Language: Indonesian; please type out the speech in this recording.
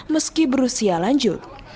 meski berusia lanjut